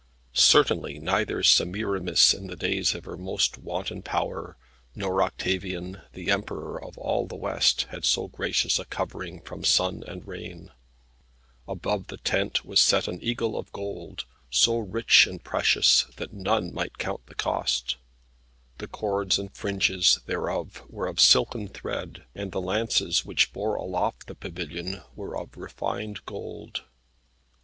Certainly neither Semiramis in the days of her most wanton power, nor Octavian, the Emperor of all the West, had so gracious a covering from sun and rain. Above the tent was set an eagle of gold, so rich and precious, that none might count the cost. The cords and fringes thereof were of silken thread, and the lances which bore aloft the pavilion were of refined gold.